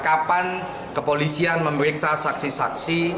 kapan kepolisian memeriksa saksi saksi